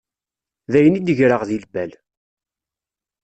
D ayen i d-greɣ deg lbal.